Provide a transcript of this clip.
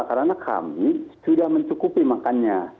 karena kami sudah mencukupi makannya